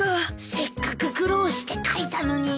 せっかく苦労して書いたのに。